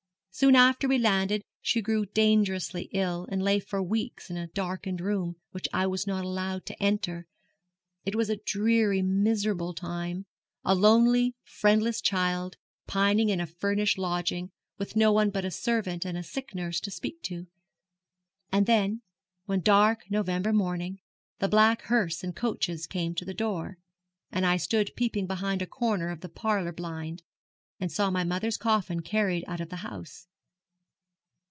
Soon after we landed she grew dangerously ill, and lay for weeks in a darkened room, which I was not allowed to enter. It was a dreary, miserable time; a lonely, friendless child pining in a furnished lodging, with no one but a servant and a sick nurse to speak to; and then, one dark November morning, the black hearse and coaches came to the door, and I stood peeping behind a corner of the parlour blind, and saw my mother's coffin carried out of the house.